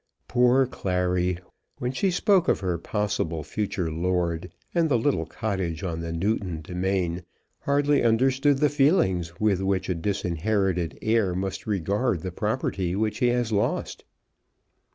Poor Clary, when she spoke of her possible future lord, and the little cottage on the Newton demesne, hardly understood the feelings with which a disinherited heir must regard the property which he has lost.